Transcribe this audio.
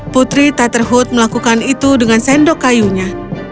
putri tetherhood melakukan itu dengan sendok kayunya